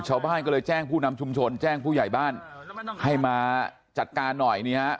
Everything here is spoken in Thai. ชาวบ้านก็เลยแจ้งผู้นำชุมชนแจ้งผู้ใหญ่บ้านให้มาจัดการหน่อยนี่ฮะ